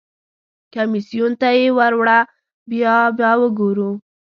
کمیسیون ته یې ور وړه بیا به وګورو.